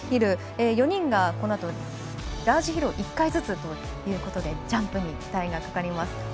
４人がこのあとラージヒルを１回ずつということでジャンプに期待がかかります。